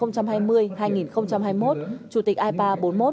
chủ tịch ipa bốn mươi một